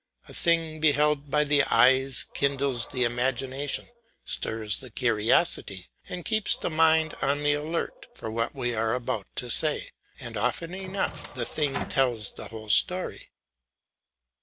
A thing beheld by the eyes kindles the imagination, stirs the curiosity, and keeps the mind on the alert for what we are about to say, and often enough the thing tells the whole story.